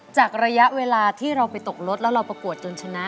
ระยะเวลาที่เราไปตกรถแล้วเราประกวดจนชนะ